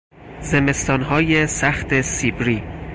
زمستانهای سخت سیبری